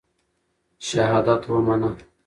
شهادت ومنه.